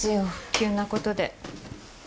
急なことで。